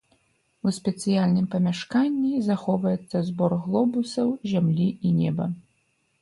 У спецыяльным памяшканні захоўваецца збор глобусаў зямлі і неба.